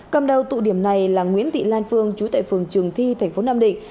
cầm đầu tụ điểm này là nguyễn tị lan phương chú tại phường trường thi thành phố nam định